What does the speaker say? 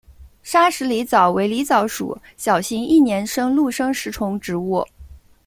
砂石狸藻为狸藻属小型一年生陆生食虫植物。